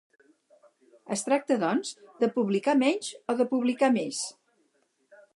Es tracta, doncs, de publicar menys o de publicar més?